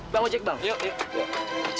bang ojek bang